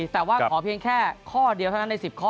แต่ว่าขอเพียงแค่ข้อเดียวเท่านั้นใน๑๐ข้อ